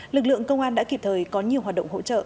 lực lượng công an đã kịp thời có nhiều hoạt động hỗ trợ